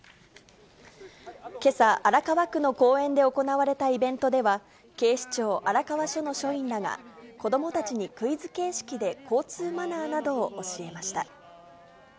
けさ、荒川区の公園で行われたイベントでは、警視庁荒川署の署員らが、子どもたちにクイズ形式で交通マナーなどを教えました。